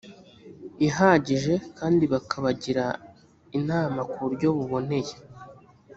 ihagije kandi bakabagira inama ku buryo buboneye